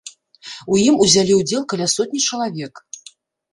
У ім узялі ўдзел каля сотні чалавек.